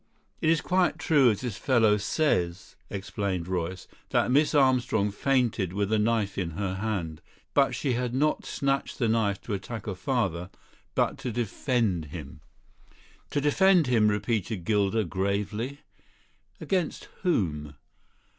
"It is quite true, as this fellow says," explained Royce, "that Miss Armstrong fainted with a knife in her hand. But she had not snatched the knife to attack her father, but to defend him." "To defend him," repeated Gilder gravely. "Against whom?"